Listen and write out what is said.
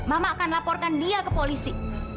mama akan laporkan dia ke polisi